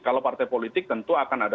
kalau partai politik tentu akan ada